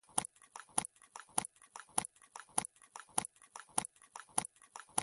یوه افسر سنایپر توپک واخیست او نښه یې ونیوله